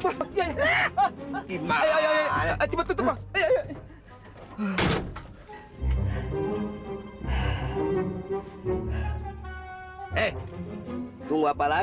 bapak berhenti pak